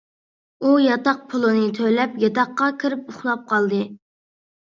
ئۇ ياتاق پۇلىنى تۆلەپ ياتاققا كىرىپ ئۇخلاپ قالدى.